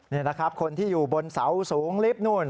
นี่นะครับคนที่อยู่บนเสาสูงลิฟต์นู่น